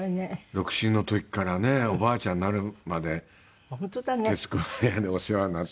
独身の時からねおばあちゃんになるまで『徹子の部屋』でお世話になって。